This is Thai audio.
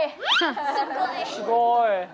สุโกย